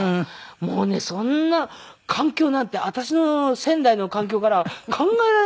もうねそんな環境なんて私の仙台の環境からは考えられないですから。